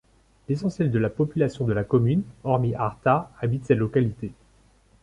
L'essentiel de la population de la commune, hormis Artà, habite cette localité.